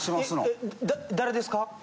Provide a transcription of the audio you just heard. だ誰ですか？